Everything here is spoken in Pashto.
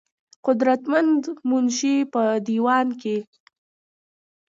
قدر مند منشي پۀ دېوان کښې